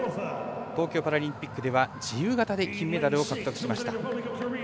東京パラリンピックでは自由形で金メダルを獲得しました。